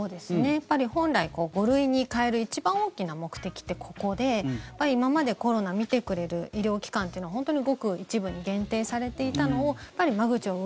本来、５類に変える一番大きな目的ってここで今までコロナ診てくれる医療機関っていうのは本当にごく一部に限定されていたのをやっぱり間口をう−